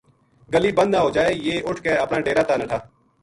گلی بند نہ ہو جائے یہ اُٹھ کے اپنا ڈیرا تا نٹھا